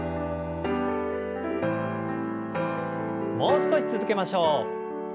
もう少し続けましょう。